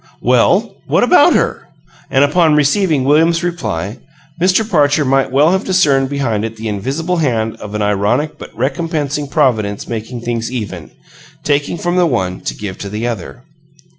"Well, what about her?" And upon receiving William's reply, Mr. Parcher might well have discerned behind it the invisible hand of an ironic but recompensing Providence making things even taking from the one to give to the other.